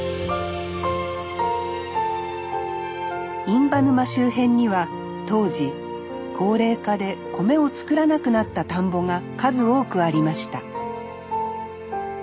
印旛沼周辺には当時高齢化で米を作らなくなった田んぼが数多くありました。